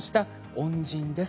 恩人です。